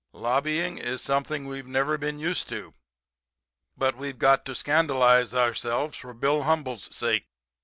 Lobbying is something we've never been used to; but we've got to scandalize ourselves for Bill Humble's sake.